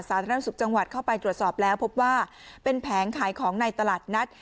สาธารณสุขจังหวัดเข้าไปตรวจสอบแล้วพบว่าเป็นแผงขายของในตลาดนัด